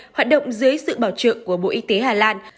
hoạt động dưới sự bảo trợ của bộ y tế hà lan